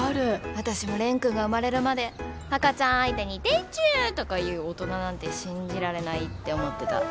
私も蓮くんが生まれるまで赤ちゃん相手に「でちゅ」とか言う大人なんて信じられないって思ってた。